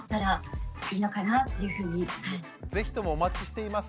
是非ともお待ちしています。